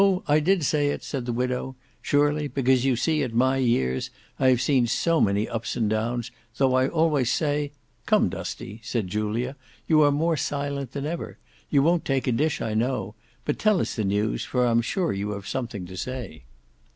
I did say it," said the widow, "surely, because you see, at my years, I have seen so many ups and downs, though I always say—" "Come, Dusty," said Julia, "you are more silent than ever. You won't take a dish I know: but tell us the news, for I am sure you have something to say."